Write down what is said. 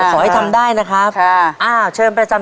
นี่ตรงนี้ครับ